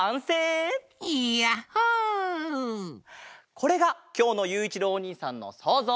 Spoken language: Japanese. これがきょうのゆういちろうおにいさんのそうぞう。